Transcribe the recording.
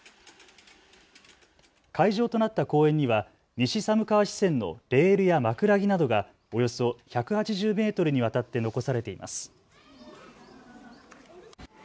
会場となった公園には西寒川支線のレールや枕木などがおよそ１８０メートルにわたって残されています。